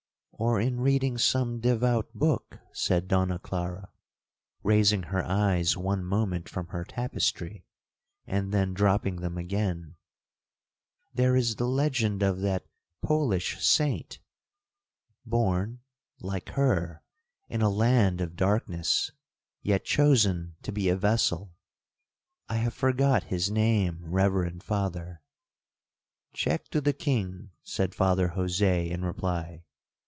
'—'Or in reading some devout book,' said Donna Clara, raising her eyes one moment from her tapestry, and then dropping them again; 'there is the legend of that Polish saint,1 born, like her, in a land of darkness, yet chosen to be a vessel—I have forgot his name, reverend Father.'—'Check to the king,' said Father Jose in reply.